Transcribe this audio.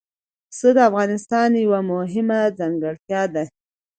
پسه د افغانستان یوه مهمه طبیعي ځانګړتیا ده.